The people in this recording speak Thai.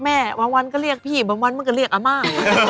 แม่บ้าแม่บ้าแม่บ้า